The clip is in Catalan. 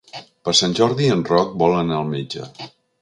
Per Sant Jordi en Roc vol anar al metge.